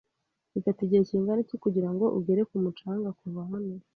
Bifata igihe kingana iki kugirango ugere ku mucanga kuva hano?